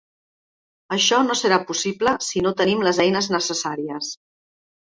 Això no serà possible si no tenim les eines necessàries.